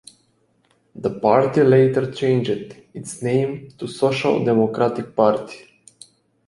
The party later changed its name to Social Democratic Party.